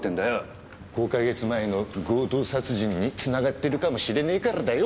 ５か月前の強盗殺人に繋がってるかもしれねえからだよ